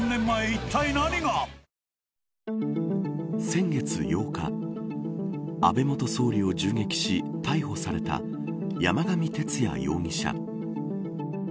先月８日安倍元総理を銃撃し逮捕された山上徹也容疑者。